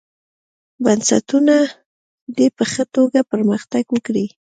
بنسټونه دې په ښه توګه پرمختګ وکړي.